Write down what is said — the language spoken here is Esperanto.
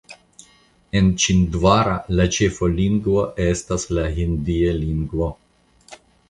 En Ĉindvara la ĉefa lingvo estas la hindia lingvo.